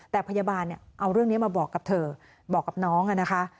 แต่พยาบาลเอาเรื่องนี้มาบอกกับเธอบอกกับน้องนะคะ